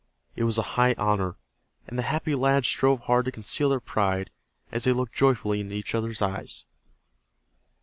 It was a high honor, and the happy lads strove hard to conceal their pride as they looked joyfully into each other's eyes.